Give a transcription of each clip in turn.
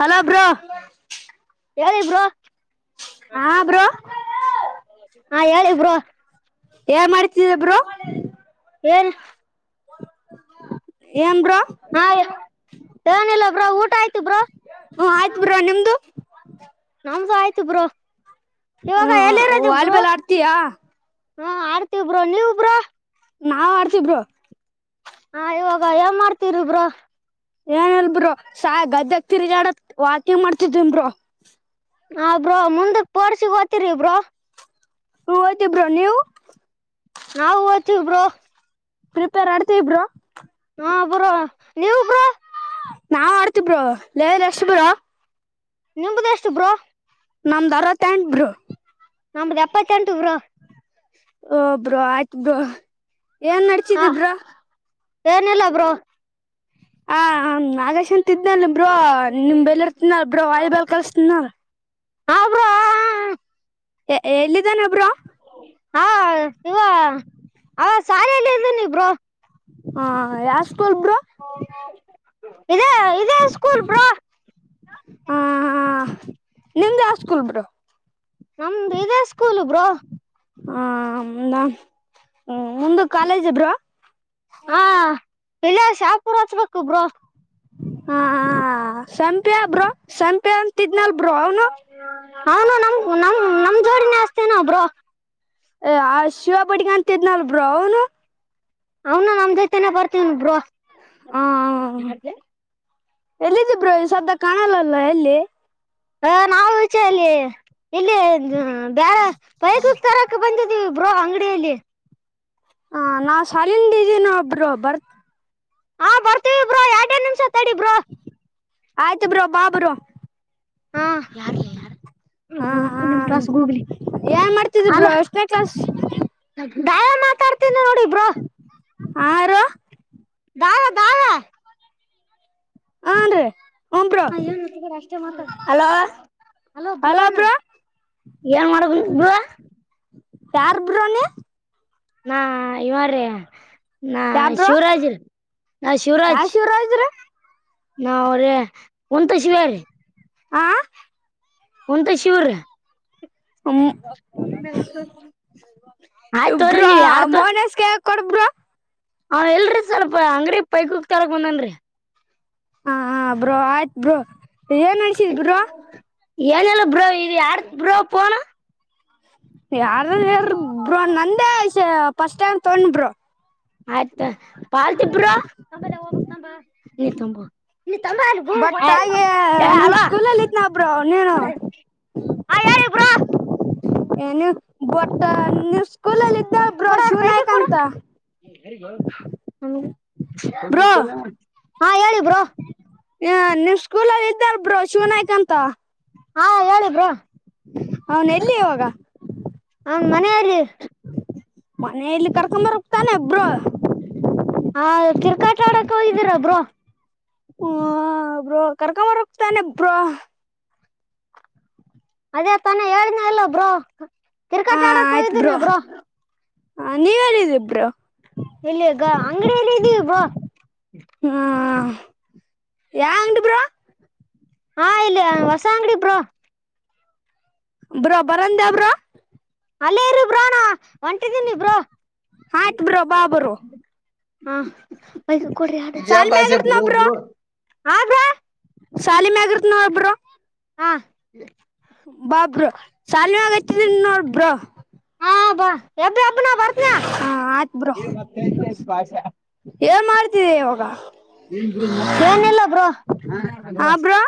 Hello bro ಹೇಳಿ bro ಹಾ bro ಹಾ ಹೇಳಿ ಬ್ರೋ ಏನ ಮಾಡ್ತಿದ ನಿವ ಇಬ್ಬರು ಏನ್ [inaudible] ಬ್ರೋ ಹ್ಮ ಹಾ ಏನಿಲ್ಲ ಬ್ರೋ ಊಟ ಆಯ್ತು ಬ್ರೋ ಹ್ಮ ಆಯ್ತು ಬ್ರೋ ನಿಮ್ದು ನಮ್ದ್ ಆಯ್ತು ಬ್ರೋ ಇವಾಗ ಹ್ಮ್ ಎಲ್ಲಿರದ ಬ್ರೊ ವಾಲಿಬಾಲ್ ಆಡ್ತೀಯಾ ಹಾ ಆಡ್ತೀವಿ ಬ್ರೊ ನೀವ್ ಬ್ರೋ ನಾವ್ ಆಡ್ತೀವಿ ಬ್ರೋ ಹಾ ಇವಾಗ ಏನ್ ಮಾಡ್ತಿರಿ ಬ್ರೊ. ಏನಿಲ್ಬ್ರೊ ಸ ಗದ್ಯಾಗ್ ತಿರ್ಗ್ಯಾಡ್ಯಾದ್ ವಾಕಿಂಗ್ ಮಾಡ್ತಿದ್ದಿನ್ ಬ್ರೊ. ಹ ಬ್ರೋ ಮುಂದಕ್ ಸ್ಫೂರೋಟ್ಸ್ ಹೊಯತಿರಿ ಬ್ರೋ ಹೋಗಿದ್ದೆ ಬ್ರೋ ನೀವು ನಾವು ಹೋಯ್ತು ಬ್ರೋ ಪ್ರಿಪೇರ್ ಆಡ್ತೀವಿ ಬ್ರೋ ಹಾ ಬ್ರೋ ನೀವು ಬ್ರೋ ನಾವ್ ಆಡ್ತವಿ ಬ್ರೋ ಲೇವ ಎಷ್ಟ ಬ್ರೋ ನಿಮದ ಎಷ್ಟ ಬ್ರೊ ನಮ್ದ್ ಅರವತ್ತು ಎಂಟ ಬ್ರೊ ನಮ್ದ ಎಪ್ಪತ್ತೆಂಟು ಬ್ರೋ ಓ ಬ್ರೋ ಆಯ್ತ ಬ್ರೊ ಏನ್ ನಡಸಿದಿಬ್ರಾ. ಏನ ಇಲ್ಲ ಬ್ರೋ. ಹಾ ನಾಗೇಶನ್ ತಿದನಲ್ಲಿ ಬ್ರೋ ನಿಮ್ ಬೆಲ್ ಇರ್ತನಬ್ರ ವಾಯಿ ಬಲ್ ಕಲ್ಸ್ತ್ ಏನಾ. ಹಾ ಬ್ರೋ. ಎ ಎಲ್ಲಿದ್ದಾನೆ ಬ್ರೋ. ಹಾ ಇವ ಅವ ಸಾಲೆಲ್ಲಿದಿನಿ ಬ್ರೋ. ಹಾ ಯಾಸ್ಕೂಲ್ ಬ್ರೊ. ಹಾ ಹಾ ಇದೇಕ್ ಹಾ ನಿಮ್ದ್ ಸ್ಕೂಲ್ ಬ್ರೊ. ನಮ್ದು ಇದೇ ಸ್ಕೂಲ್ ಬ್ರೋ ಹಾಂ ನಾಮ್ ಹ್ಮ್ ಮುಂದುಕ್ ಕಾಲೇಜ ಬ್ರೋ. ಇಲ್ಲೇ ಶಾಪುರ್ ಹಚ್ಚ್ಬೇಕು ಬ್ರೋ. ಹಾ ಹಾ ಸಂಪ್ಯಾಬ್ರೋ ಸಂಪ್ ಪ್ಪೆ ಅಂತಿದ್ನಲ್ ಬ್ರೋ ಅವ್ನು. ಹಾನು ನಮ್ ನಮ್ ನಮ್ ಜೋಡಿನೆ ಅಸ್ತಿನ ಬ್ರೋ. ಏ ಆ ಶಿವಪಾಟಿ ಕಾಂತಿದ್ನಲ್ಬ್ರೋ ಅವನು. ಅವ್ನು ನಮ್ ಜೈತಾನೇ ಬರ್ತೀವ್ನ್ ಬ್ರೋ. ಆ ಯಾರ್ಗೆ. ಎಲ್ಲಿದ್ದಿ ಬ್ರೋ ಈ ಸದ್ದ ಕಾಣಲ್ಲಲ್ಲ ಎಲ್ಲಿ. ಹ ನಾವು ವಿಚೆಯಲ್ಲೀ. ಇಲ್ಲಿ [unintelligible] ಬ್ಯಾರೆ ಬೈಕ್ಕ್ ತರಕ್ ಬಂದಿನ್ ದಿವಿ ಬ್ರೋ ಅಂಗಡಿಯಲ್ಲಿ. ಹ ನಾ ಶಾಲಿನ್ ಇದೀನ್ ಒಬ್ರೋ ಬರ್ತ್ ಹಾ ಬರ್ತೀವಿ ಬ್ರೋ ಎರಡೇ ನಿಮಿಷ ತಡಿ ಬರ್ತ್ ಆಯ್ತು ಬ್ರೋ ಬಾ ಬ್ರೋ. ಹಾ ಯಾರ್ ಲೇ ಯಾರ ಎ ಹ ಹ ಒಗ್ ನಿಮ್ ಕ್ಲಾಸ್ ಗೂಗ್ಲಿ ಏನ್ ಮಾಡ್ತಿದಿ ಬ್ರೋ ಅಲೋ. ಎಷ್ಟನೇ ಕ್ಲಾಸ್ ಬ್ಯಾಯೆ ಮಾತಾಡ್ತೀನಿ ನೋಡ್ ಇ ಬ್ರೋ. ಆರು. ದಾವ ದಾಯ. ಆನ್ಡ್ರಿ. ಹ ಏನ್ ಒತ್ಬೇಡ ಅಷ್ಟೇ ಮಾತಾಡು. ಹಲೋ. ಹಲೋ ಬ್ರೋ ಅನ್ನು. ಏನ್ ಮಾಡಕುಂತ್ ಬ್ರೋ. ಯಾರ್ ಬ್ರೋನಿ. ನಾ ಇವರ್ರೀ. ನಾ ಶಿವ್ರಾಜು. ಯಾ ಶಿವರಾಜ್ ರ್ರೀ. ಹಾ ಅವ್ರೇ [inaudible] ಹಾ [inaudible] ಶೂರ ಆಯ್ತ ತೊಗಿರಿ ನೀವ ಯಾರದ. ಕೂಡ ಬ್ರೋ. ಹಾ ಎಲ್ರಿ ಸ್ವಲ್ಪ ಅಂಗಡಿ ಪೈಪ್ಸ್ ತಾರಕ ಬಂದನ್ರರಿ. ಹ ಹ ಬ್ರೋ ಆಯ್ತ್ ಬ್ರೋ. ಏನ್ ನಡೆಸಿದಿ ಬ್ರೋ. ಏನಲ್ಲ ಬ್ರೋ ಇದು ಯಾರದ ಬ್ರೋ ಫೋನು. ಯಾರರ ಹೇಳಿರ ಬ್ರೋ ನಂದೇ ಫಸ್ಟ್ ಟೈಮ್ ತೊಗೊಂಡೆ ಬ್ರೋ. ಆಯ್ತಾ ಪಾರ್ಟಿ ಬ್ರೋ ಹ ಬಾ ನೀ ತುಂಬ ಬಟ್ ಹಾಗೆ ನೀವ್ ಸ್ಕೂಲಲ್ಲಿ ಇದ್ನ ಬ್ರೋ ನೀನು [unintelligible] ಏನು ಬಟ್ಟ ನೀ ಸ್ಕೂಲಲ್ಲಿ ಇದ್ದಲ್ಲ ಬ್ರೋ ಕೊಡು ಅವ್ರ ಶಿವ ಪೈಕಿ ನಾಯ್ಕ ಕೊಡು ಅಂತ ಬ್ರೋ. ಹಾ ಹೇಳಿ ಬ್ರೋ ಹ ನಿಮ್ಮ ಸ್ಕೂಲಲ್ಲಿ ಇದ್ದಲ್ಲ ಬ್ರೋ ಶಿವ ನಾಯಕ ಅಂತ. ಹಾ ಹೇಳಿ ಬ್ರೋ. ಅವನ್ ಎಲ್ಲಿ ಇವಾಗ. ಅವ್ನ ಮನೆಯಲ್ಲಿ. ಮನೆಯಲ್ಲಿ ಕರ್ಕೊಂಬರುಕಕ್ತಾನೆ ಬ್ರೋ. ಹಾ ಕ್ರಿಕೆಟ್ ಆಡಕ್ ಹೋಗಿದ್ದೀರ ಬ್ರೋ. ಹ್ಮ ಬ್ರೋ ಕರ್ಕೊಂಡ್ ಬರೋಗತಾನೆ ಬ್ರೋ. ಅದೇ ತಾನ ಹೇಳಿದ್ದನ್ಲ ಬ್ರೋ ಕ್ರಿಕೆಟ್ ಆಡಕ್ ಹೋಗಿದ್ದೀನಿ ಬ್ರೋ. ಹ ನೀವ್ ಹೇಳಿ ಬ್ರೋ. ಇಲ್ಲಿಗ ಅಂಗಡಿಯ ಎಲ್ಲಿ ಇದ್ದೀವಿ ಬ್ರೋ. ಹ್ಮ ಯಾವ ಅಂಗಡಿ ಬ್ರೋ. ಹಾ ಇಲ್ಲಿ ಹೊಸ ಅಂಗಡಿ ಬ್ರೋ. ಬ್ರೋ ಬರೆಂಡೇ ಬ್ರೋ ಅಲ್ಲೇರು ಬ್ರೋ. ಹೊಂಟಿದೀನಿ ಬ್ರೋ. ಆಯ್ತ್ ಬ್ರೋ ಬಾ ಬ್ರೋ ಹಾ ಪೈಸ. ಸಾಲಿ ಮ್ಯಾಗ ಬಜಾಸೆ ಇರ್ತ್ ನೋ ಪೂರ ಪೂರ [unintelligible] ಹಾ ಬ್ರೋ. ಶಾಲಿ ಮ್ಯಾಲ ಇರ್ತೀನಿ ನೋ ಬ್ರೋ ಹಾ ಬಾ ಬ್ರೋ ಶಾಲಿ ಆಗತಿದನ್ ನೋಡ್ ಬ್ರೋ. ಹಾ ಬಾ ಎಬ್ಬ ಎಬ್ಬ ನಾ ಬರ್ತೀನಿ ಹಾ ಆತ್ ಬ್ರೋ ಏನ್ ಮಾಡ್ತಿದೆ ಇವಾಗ. ಏನಲ್ಲ ಬ್ರ ಹಾ ಬ್ರೋ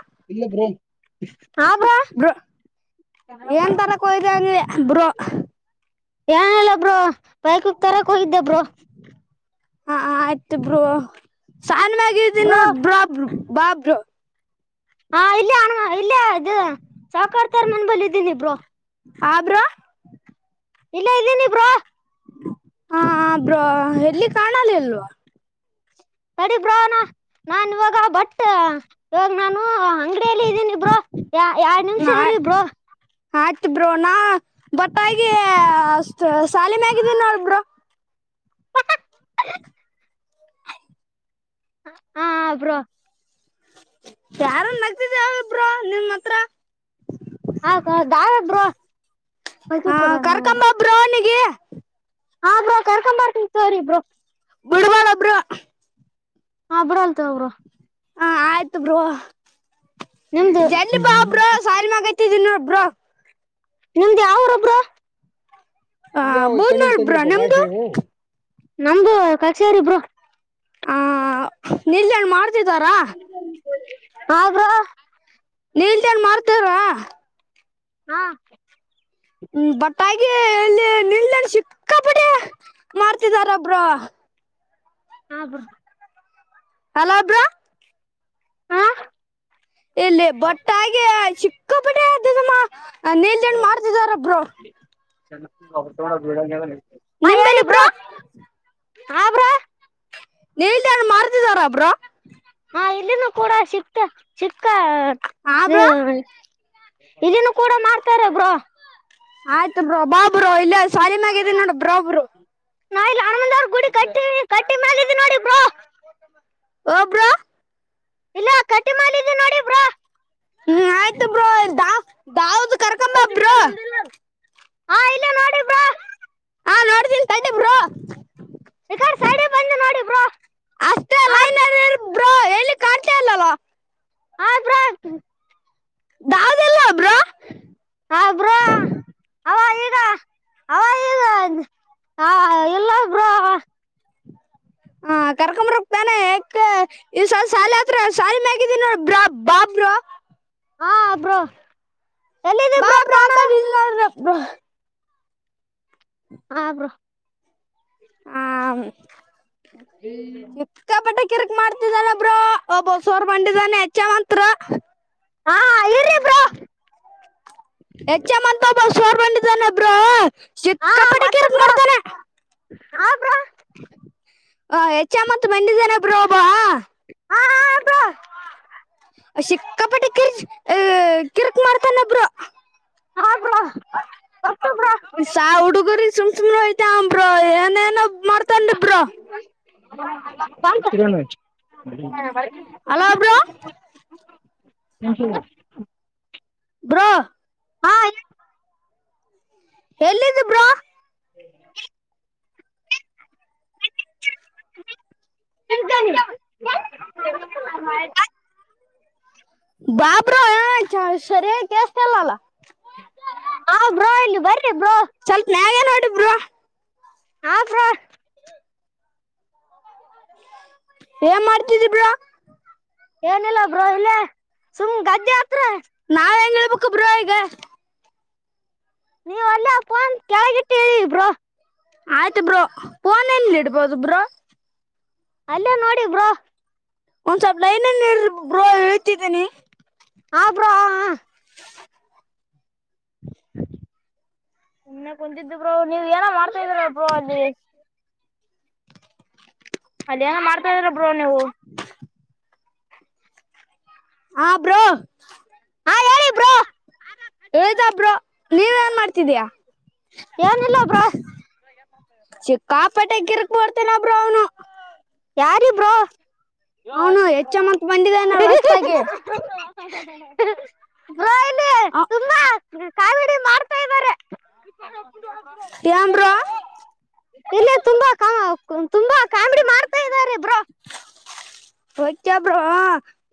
ಬ್ರೋ ಏನ್ ತರಕ್ ಹೋಗಿದ್ದೆ ಅಂದೆ ಬ್ರೋ ಏನ್ ಹೇಳಲ್ಲ ಬ್ರೋ ಬೈಕ್ ಹೋಗಕ್ ತರಕ್ ಹೋಗಿದ್ದೆಬರು ಹಾ ಆಯ್ತು ಇಬ್ರು ಸಣ್ಣ ಮಗ ನೋ ಬ್ರೋ ಬಾಬ್ ಬಾ ಬ್ರ ಹಾ ಇಲ್ಲ ಇಲ್ಲ ಅದು ಸಕ ನಾನ ಬಲಿದ್ದೀಿನಿಬ್್ರೋ ಆಬ್ರಾ ಇಲ್ಲ ಇದ್ದೀನಿಬ್ರಾ ಹಾ ಬ್ರ ಎಲ್ಲಿ ಕಾಣಲ್ಲ ಅಲ್ವಾ ಸಡಿ ಬ್ರ ನ ನಾನ್ ಇವಾಗ ಬಟ್ ಇವಾಗ ನಾನು ಅಂಗಡಿಯಲ್ಲಿ ಇದ್ದೀನಿಬ್ರೋ ಯ ಯಾವ ನಿಮ್ಷ ಇ ಇಬ್್ರರು ಆಯ್ತು ಬ್ರೂ ನಾ ಬತ್ತಾಗಿ ಸಾಲಿ ಮ್ಯಾಗಿದ್ದೀ ನೋಡ ಬ್ರರು ಹಾ ಅಬ್ರೋ ಯಾರ ನಗ್ತಿದಬ್ರ ನಿಮ್ಮ್ ಹತ್ರ ಹ ಆ ಕೊಡಂಗ ಕರ್ಕಂಬ ಬ್ರೋ ಅವನಿಗೆ ಹ್ರ ಕಳ್ಕಂಬ ತೋರಿಬ್ರರು ಬುಡವಳಬ್್ರ ಹ ಬ್ರಲ್ತ ಅವಬ್ರು ಹಾ ಆಯ್ತು ಬ್ರೋ ನಿಮ್ದು ಜಲ್ಲು ಪಾ ಅಪರ ಸಾಲಿ ಮ ಎ ದಿನ ಬ್ರ ನಿಮ್ದ ಯಾವರೊಬ್ಬ್ರ ಆ ನಿ ಯಾವ ಈ ಕಣ್ಣಿನ ಬೂದ್ನೂರ್ ಬ್ರೋ ತಂದರಪ್ಪ ನಿಮ್ದು ಕಸವು ನಮ್ದು ಕಕ್ಷರಿಬ್ರು ಆ ನಿಲ್ ಮಾಡ್ ಿದಾರಾ ತಾಗ ನೀಂತ ಏನ್ ಮಾಡ್ತಾರವಾ ಹಾ ಹ್ಮ್ ಬತಾಯ ಇಲ್ಲಿ ನಿಲ್ ಚಿಕ್ಕಾಪಟ್ಟ ಮಾಡ್ತಿದಾರ ಒಬ್ರು ಹಾ ಹಾ ಹಲಬರಾ ಹಾ ಇಲ್ಲಿ ಬಟ್ಟಾಗೆ ಚಿ ಕಬ ಅ ನೀಲ್ದಂಡು ಮಾಡ್ತಿದಾರಬ್ರೊ ಅವ ತ ಬೀಡ [unintelligible] ನಿಮೇಲೆಬ್ರೋ ಹಾ ಬ್ರೋ ನೀ ಮಾರ್ತಿದಾರ ಬ್ರೋ ಹಾ ಇಲ್ಲಿನ ಕೂಡ ಸಿಕ್ತ ಸಿಕ್ ಕಾಟ್ ಹಾ ಬ್ರೋ ಾಳ್ ಇಲ್ಲಿನ್ನು ಕೂಡ ಮಾಡ್ತಾರಬ್ರೋ ಆಯ್ತುೋ ಬಾಬರು ಇಲ್ಲ ಸಾಲಿಮಾಗಗಿದ ನೋಡ ಬ್ರೊ ನಾ ಗುಡಿ ಕಟ್ಟ ಕಟ್ಟಿ ಮಾಡ ನೋಡಿ ಬ್ರೋ ಹ ಬ್ರೋ ಇಲ್ಲ ಕಟ್ಟಿ ಮಾಡಿದ್ದು ನೋಡಿಬ್ರೋ ಹ್ಮ್ ಆಯ್ತ ಬ್ರೋ [unintelligible] ಕಕ್ಕ ಬ್ರೋ ನಂದಿಲ್ಲ [unintelligible] ಹಾ ಇಲ್ಲ ನೋಡಿ ಬ್ರೋ ಹಾ ನೋಡ್ತನ ತಡಿ ಬ್ರೋ ಈ ಕಡೆ ಸೈಡ್ ಬಂದು ನೋಡಿ ಬ್ರೋ ಹಾ ಕಿ ಕಟ್ಲ ಇಲ್ಲಲ್ಲವಾ ಆದ್ರೆ ದಹಾಜಲ್ಲ ಬ್ರೋ ಹ ಬ್ರೋ ಅವ ಈಗ ಹ ಇಲ್ಲ ಬ್ರೋ ಹ ಕರ್ಕಂಬ್ರ ಹಕ್ತಾನೆ ಯಕ ಈ್ಸಲ್ ಸಾಲಿ ಹತ್ರ ಶಾಲ ಮ್ಯಾಗಿದೀನೋ ಬ ಬಾ ಬ್ರೋ ಹಾ ಅಬ್ರೋ ಬಾ ಬ್ರೋ [unintelligible] ಬಾ [inaudible] ಹ ಬ್ರೋ ಆ ಹ್ಮ್ ಎಕ್ಕ ಪಟ್ಟ ಕಿರ್ಕ್ ಮಾಡ್ತಿದಾನೊಬ್ರ ಒಬ್ಬಸೋರ್ ಬಂಡಿದಾನೆ ಹೆಚ್ಚ ಮಂತ್ರ ಹಾ ಇರಿ ಬ್ರೋ ಹೆಚ್ ಎಂ ಅಂತ ಚೋರ್ ಬಂಡಿ ತಾನ ಬ್ರೋ ಶತ್ ಕಪಡೆ ಕೆೇಳಕ್ ಮಾಡ್ತಾರ ಹ ಬ್ರೋ [unintelligible] ಹ ಹೆಚ್ ಎಮ್ ಅಂತ ಬಂದಿದಾನೆ ಬ್ರೋ ಒಬ್ಬ [unintelligible] ಬ್ರೋ ಚಿಕ್ಕಪಡಿ ಕಿರ್ ಕಿರ್ಕ್ ಮಾಡ್ತಾನ ಬ್ರೋ ಹಡ ಸಾ ಹುಡುಗರಿ ಸುಮಸುಮ ರ ಇತೆ ಅಮ್ರ ಎನ [unintelligible] [unintelligible] [unintelligible] ಹಲೋ ಬ್ರೋ ಹ [unintelligible] ಬ್ರೊ ಹಾಯ್ ಎಲ್ಲಿದ್ದಿ ಬ್ರೋ ಹ [unintelligible] ಮಾಡ [unintelligible] ಬಾ ಬ್ರೋ ಚ ಸರಿ ಆ ಬ್ರೊ ಇಲ್ಲಿ ಬರ್ರಿ ಬ್ರೋ ಸ್ವಲ್ಪ ನ್ಯಾಗೆ ನೋಡಿ ಬ್ರೋ ಹಾ ಏನ್ ಮಾಡ್ತಿದೀ ಬ್ರೋ ಏನಿಲ್ಲ ಬ್ರೋ ಹಿಲೆ ಸುಮ್ ಗದ್ದೆ ಹತ್ರ ನಾವ್ ಹೆಂಗ ನಮಕ ಬ್ರೋ ಈಗ ನೀವ ಅಲ್ಲ ಫೋನ್ ಕೆಳಗಿಟ್ಟಿವ ಬ್ರೋ ಆಯ್ತ ಬ್ರೋ ಫೋನಲ್ಲಿ ಇಡ್ಬೋದು ಬ್ರೋ ಅಲ್ಲೇ ನೋಡಿ ಬ್ರೋ ಒಂದು ಸ್ವಲ್ಪ ಲೈನನ್ ನೀ ಬ್ರೋ ಇಳಿತಿದೀನಿ ಆ ಬ್ರೋ ಅ ಆ ಸುಮ್ನೆ ಕುಂತಿದ್ದೆ ಬ್ರೋ ನೀವೇನು ಮಾಡ್ತಾ ದ್ದೀರಾ ಬ್ರೋ ಅಲ್ಲಿ ಅಲ್ಲೇನು ಮಾಡ್ತಾ ಇದ್ದೀರಾ ಬ್ರೋ ನೀವು ಹಾ ಬ್ರೋ ಹಾ ಹೇಳಿ ಬ್ರೋ ಹತಬ್ರು ನೀವು ಏನ್ ಮಾಡ್ತಿದೀಯ ಏನಿಲ್ಲ ಬ್ರೋ ಸಿಕ್ಕಾಪಟ್ಟೆ ಕಿರಿಕ್ ಮಾಡ್ತಾವ್ನೆ ಬ್ರೋ ಅವನು ಯಾರಿ ಬ್ರೋ ಅವನು ಹೆಚ್ಚ ಅಂತ ಬಂದಿದ್ದಾನೆ ಹೊಸ್ತಾಗಿ [unintelligible] ಬ್ರೋ ಇಲ್ಲಿ ಹಾ ಈ ಕಾಮಿಡಿ ಮಾಡ್ತಾ ಇದ್ದಾರೆ. ಏನ್ ಬ್ರೋ ಇಲ್ಲಿ ತುಂಬಾ ತುಂಬಾ ಕಾಮಿಡಿ ಇದ್ದಾರೆ ಬ್ರೋ ವೈತ್ಯಾ ಬ್ರೋ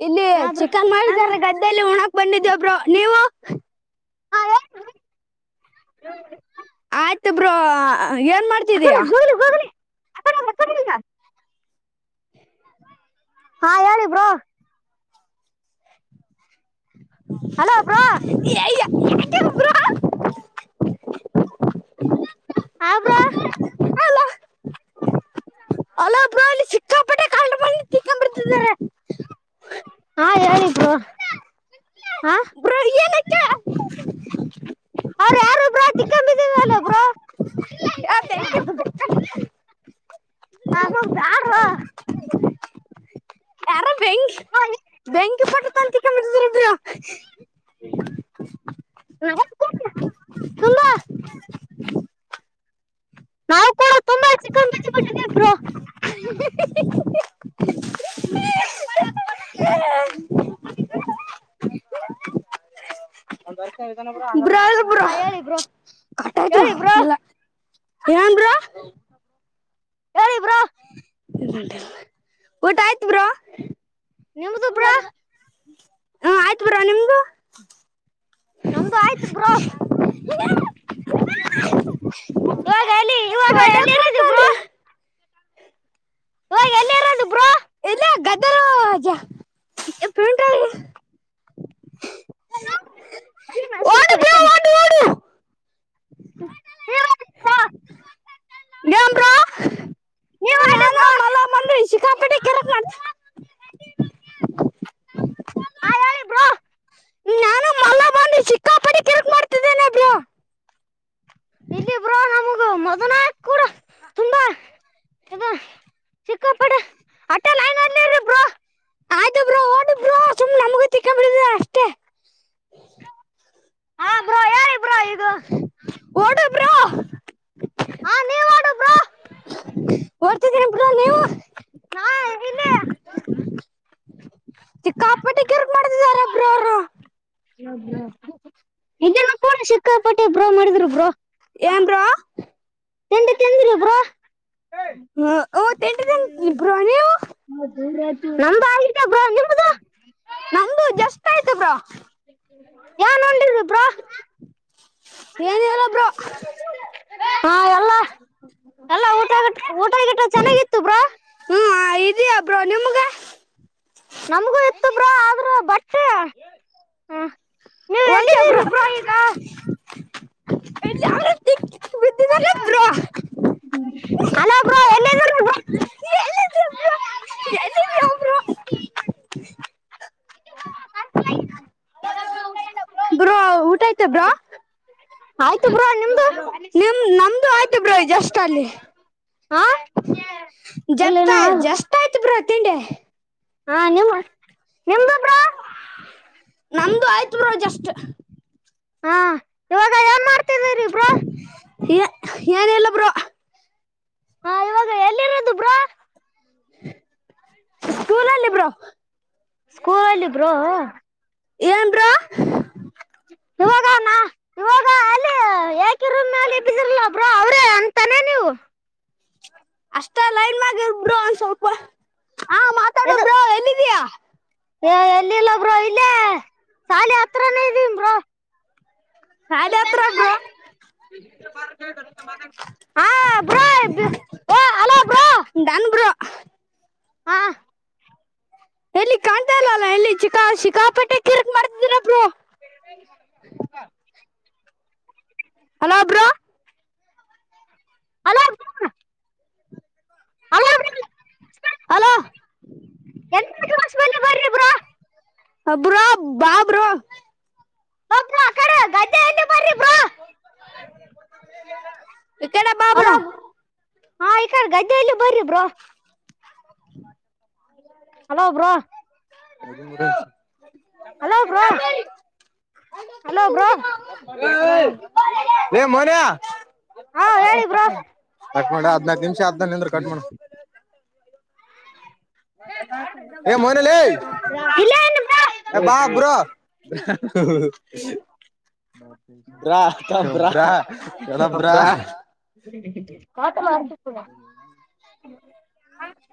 ಇಲ್ಲಿ ಚಿಕನ್ ಮಾಡಿದಾರ ಗದ್ದೆಯಲ್ಲಿ ಉಣ ಬಂದಿದ್ದೇ ಬ್ರೋ ನೀವು ಹಾ ಆಯ್ತು ಬ್ರೋ ಏನ್ ಆ ಕಡೆ ಮಾಡ್ತಿದ್ದೀಯಾ ಗೂಗ್ಲಿ ಗೂಗ್ಲಿ ಆ ಕಡೆ ಆ ಕಡೆ ಈಗ. ಹಾ ಹೇಳಿ ಬ್ರೋ ಹಲೋ ಬ್ರೋ ಯಾಕೆ ಬ್ರೋ, ಅ ಬ್ರೋ ಹಲೋ ಬ್ರೋ ಇಲ್ಲಿ ಸಿಕ್ಕಾಪಟ್ಟ [unintelligible] ತಿಂಕ ಬಿಡ್ತಿದ್ದಾರೆ. ಹಾ ಹೇಳಿ ಬ್ರೋ ಹಾ ಬ್ರೋ [unintelligible] ಅವರು ಯಾರು ಬ್ರೋ [unintelligible] ಬ್ರೋ ಆ ಬೆಂಕಿ ಅಮ್ಮ ಬ್ಯಾಡ್ರೋ. ಯಾರೋ ಬೆಂಕಿ ಬೆಂಕಿ ಪಟ್ನ ತಂದ್ [unintelligible] ಬ್ರೋ. [unintelligible] [inaudible] ನಾವು ಕೂಡ ತುಂಬಾ ಅಲ್ಲಿ ಸಿಕ್ಕೋ ಬಿಟ್ಟಿ ಬಿಟ್ಟಿದೀವ್ ಬ್ರೋ. ಹ್ಮ್ ಹಿ ಹಿ ಹಿ [unintelligible] ಬರ್ತ್ಯ ವಿಜಯನಗರ. ಬ್ರೋ ಬ್ರೋ ಹಾ ಹೇಳಿ ಬ್ರೋ ಕಟಾಯ್ತು ಹೇಳಿ ಬ್ರೋ ಅಲ್ಲ. ಏನ್ ಬ್ರೋ ಹೇಳಿ ಬ್ರೋ ಊಟ ಆಯ್ತ್ ಬ್ರೋ. ನಿಮ್ದು ಬ್ರೋ ಹ ಆಯ್ತು ಬ್ರೋ ನಿಮ್ದು ನಮ್ದು ಆಯ್ತು ಬ್ರೋ. ಇವಾಗ ಎಲ್ಲಿ [unintelligible] ಇವಾಗ ಮಾಡಕ್ ಎಲ್ಲಿರೋದು ಕುಂತಂಡ್ರ ಬ್ರೋ ಇವಾಗ ಎಲ್ಲಿರೋದು ಬ್ರೋ ಪ್ರಿಂಟರ್ ನಾ ಸೂಪರ್ ಇಕ್ಕೇನಿ. ಓಡು ಓಡು ಏನ್ ಬ್ರೋ. ನೀವ್ ಇವ್ನ್ ಆಡಿ ಯಾಲೋ ಬ್ರೋ ಮಲ್ಲಾ ಮಂದಿ ಸಿಕ್ಕಾಪಟ್ಟಿ [unintelligible] ಹಾ ಹೇಳಿ ಬ್ರೋ ನಾನು ಮಲ್ಲ ಬಂದಿ ಸಿಕ್ಕಾಪಡಿ ಕಿರಿಕ್ ಮಾಡ್ತಿದ್ದೇನೆ ಬ್ರೋ. ಇಲ್ಲಿ ಬ್ರೋ ನವು ಮದನ ಕೂಡ ತುಂಡ ಇದ ಸಿಕ್ಕಾಪಟ್ಟೆ ಅಷ್ಟೇ ಲೈನಲ್ಲಿ ಇರಿ ಬ್ರೋ ಆಯ್ತ ಬ್ರೋ ಓಡಿ ಬ್ರೋ ಸುಮ್ ನಮ್ಗ ತಿಕ್ಕ್ ಪಡಿತತೆ ಅಷ್ಟೇ ಹಾ ಬ್ರೋ ಹೇಳಿ ಬ್ರೋ ಇದು ಓಡು ಬ್ರೋ ಹಾ ನೀವ್ ಆಡು ಬ್ರೋ ಓಡ್ತ್ ನಾ ಇಲ್ಲಿ ಸಿಕ್ಕಾಪಟ್ಟಿ ಕಿರಿಕ್ ಮಾಡ್ತಿದಾರೆ ಬ್ರೋ ಅವರ ಸಿಕ್ಕಾಪಟ್ಟೆ ಬ್ರೋ ಮಾಡಿದರು ಬ್ರೋ ಏನ್ ಬ್ರೋ ತಿಂಡಿ ತಿಂದ್ರ ಬ್ರೋ ಹ್ಮ ತಿಂಡಿ ತಿಂದೆ ಬ್ರೋ ನೀವು ನಮ್ದ್ ಆಯ್ತು ನಮ್ದು ಜಸ್ಟ್ ಆಯ್ತ ಬ್ರೋ ಏನ್ ಉಂಡಿದ್ದಿ ಬ್ರೋ ಏನಿಲ್ಲ ಬ್ರೋ ಹಾ ಎಲ್ಲ ಎಲ್ಲ ಊಟ ಗೀಟ ಚೆನ್ನಾಗಿತ್ತು ಬ್ರೋ ಈಜಿ ಬ್ರೋ ನಿಮಗೆ ನಮ್ಗೂ ಇತ್ತು ಬ್ರೋ ಆದ್ರ ಬಟ್ಟ ನೀವ್ ಓಕೆ ಬ್ರೋ ಎಲ್ಲಿದ್ದೀರಿ [inaudible] ಈಗ ಬ್ರೋ [unintelligible] ಹೆಲೋ ಬ್ರೋ ಎಲ್ಲಿದ್ರಿ ಬ್ರೋ [inaudible] ಬ್ರೋ ಊಟ ಆಯ್ತಾ ಬ್ರೋ ಆಯ್ತ ಬ್ರೋ ನಿಮ್ದು ನಿಮ್ಮ ನಮ್ದು ಆಯ್ತ ಬ್ರೋ ಜಸ್ಟ್ ಅಲ್ಲಿ ಹಾ ಜಸ್ ಇಲ್ಲೇನ ಆಯ್ತ ಜಷ್ಟ ಆಯ್ತು ಬ್ರೋ ತಿಂಡಿ ಹಾ ನಿಮ್ಮ ನಿಮ್ಮದು ಬ್ರೋ ನಮ್ದು ಆಯ್ತು ಬ್ರೋ ಜಸ್ಟ್ ಹಾ ಇವಾಗ ಏನ್ ಮಾಡ್ತ್ [inaudible] ಏನಲ್ಲ ಬ್ರೋ ಹಾ ಇವಾಗ ಎಲ್ಲಿರದು ಬ್ರೋ [inaudible] ಸ್ಕೂಲಲ್ಲಿ ಬ್ರೋ ಸ್ಕೂಲಲ್ಲಿ ಬ್ರೋ. ಎನ್ನ ಬ್ರೋ [inaudible] ಇವಾಗ ನಾ ಇವಾಗ ಅ ಅಲ್ಲಿ ಏಕ್ ಇರುನ ಮ್ಯಾಲಿ ಬಿದ್ದಿ ರಲ ಅದು ನಾ ನೀವು. ಅಷ್ಟ ಲೈನ್ ಮ್ಯೂಲ್ಗ ಇದ್ದ ಬಿಡೋ ಸ್ವಲ್ಪ. ಎದು ಕೀಯಾ. ಎ ಎಲ್ಲಿ ಇಲ್ಲ ಬ್ರೋ ಇಲ್ಲೇ. ಸಾಲಿ ಹತ್ರಾನೇ ಇದಿನಿ ಬ್ರೋ ಶಾಲೆ ಹತ್ರ ಬ್ರೋ ಹಾ ಬ್ರೋ ಈ ಬಿ ಹಲೋ ಬ್ರೋ. ನನ್ ಬ್ರೋ ಹಾ ಎಲ್ಲಿ ಕಾಣ್ತಾ ಇಲ್ಲ ಅಲ್ಲ ಎಲ್ಲಿ ಚಿಕಾ ಶಿಕಾಪಟ್ಟೀ ಕಿರ್ಕ್ ಮಾಡ್ತಿದ್ ರಾ hello bro. Hello hello bro hello [unintelligible] ಎಂಟ್ನೆ cross ಬಲ್ಲಿ ಬರ್ರಿ ಬ್ರೋ. ಅ ಬ್ರೋ ಬಾ ಬ್ರೋ ಓ ಬ್ರೋ ಆಕಡೆ ಗಾಡಿ ಈಕಡೆ ಬಾ ಬ್ರೋ ಹಲೋ ಹಾ ಇಕಡ್ ಗದ್ದೆ ಅಲ್ಲಿ ಬರ್ರಿ ಬ್ರೋ. [inaudible] Hello bro. ಹೇಳ್ತೀನಿ ಬಿಡು ಹಲೋ ಬ್ರೋ ಹಲೋ ಬ್ರೋ. ಏ ಮೊನ್ಯಾ. ಹಾ ಹೇಳಿ ಬ್ರೋ [unintelligible] ಕಟ್ ಮಾಡಾ ಹದನಾಕ್ ನಿಮಿಷ ಆತದ್ ನಿಂದ್ರು. ಕಟ್ ಮಾಡ್. ಏ ಮೊನ್ಯ ಲೇ, ಇಲ್ಲೇ ಏನು ಬ್ರೋ ಬಾ ಬ್ರೋ ಬ್ರಾ ಬ್ರಾ [unintelligible] ಹಂಗ್.